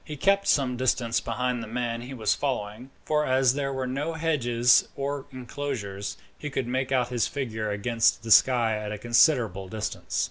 He kept some distance behind the man he was following, for as there were no hedges or inclosures, he could make out his figure against the sky at a considerable distance.